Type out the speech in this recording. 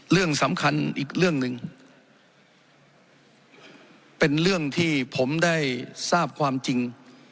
เรื่องสำคัญอีกเรื่องหนึ่งเป็นเรื่องที่ผมได้ทราบความจริง